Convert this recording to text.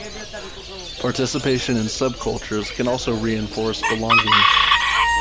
Participation in subcultures can also reinforce belonging.